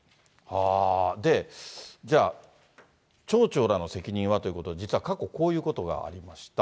で、じゃあ、町長らの責任はということで、実は過去こういうことがありました。